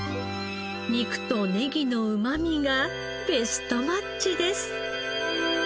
肉とネギのうまみがベストマッチです。